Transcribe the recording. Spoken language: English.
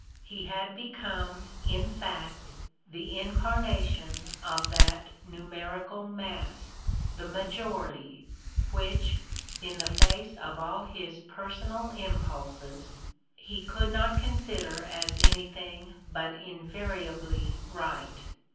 He had become, in fact, the incarnation of that numerical mass, the majority, which, in the face of all his personal impulses, he could not consider as anything but invariably right.